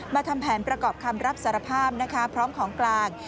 ทำแผนประกอบคำรับสารภาพนะคะพร้อมของกลาง